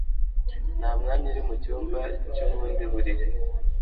Nta mwanya uri mucyumba cyubundi buriri